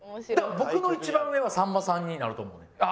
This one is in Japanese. だから僕の一番上はさんまさんになると思うねん。